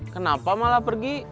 kenapa malah pergi